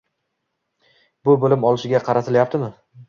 Bu bilim olishiga qaratilyaptimi?